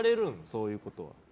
そういうことを。